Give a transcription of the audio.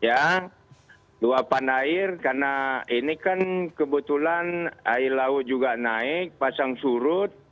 ya luapan air karena ini kan kebetulan air laut juga naik pasang surut